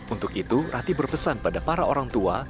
untuk itu rati berpesan pada para orang tua